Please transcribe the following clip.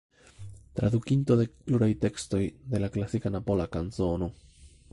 Tradukinto de pluraj tekstoj de la klasika Napola kanzono.